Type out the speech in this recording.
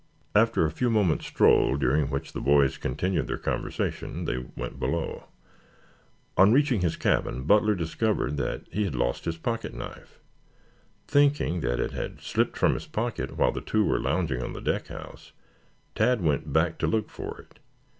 After a few moments' stroll, during which the boys continued their conversation, they went below. On reaching his cabin, Butler discovered that he had lost his pocket knife. Thinking that it had slipped from his pocket while the two were lounging on the deck house, Tad went back to look for it.